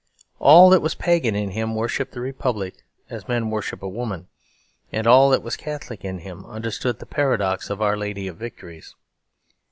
All that was pagan in him worshipped the Republic as men worship a woman, and all that was Catholic in him understood the paradox of Our Lady of Victories.